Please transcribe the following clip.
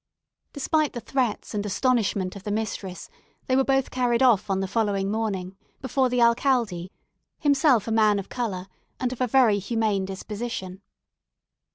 Despite the threats and astonishment of the mistress, they were both carried off on the following morning, before the alcalde, himself a man of colour, and of a very humane disposition.